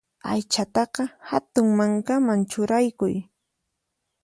Aychataqa hatun mankaman churaykuy.